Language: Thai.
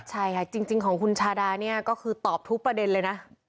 ใช่ค่ะจริงของคุณชาดาเนี่ยก็คือตอบทุกประเด็นเลยนะ